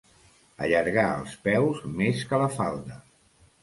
Allargar els peus més que la falda.